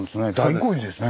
大工事ですね。